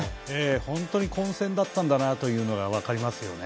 本当に混戦だったんだなというのが分かりますよね。